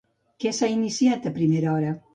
Què s'ha iniciat a primera hora?